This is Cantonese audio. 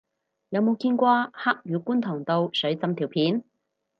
有冇見過黑雨觀塘道水浸條片